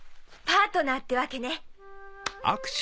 パートナーってわけね。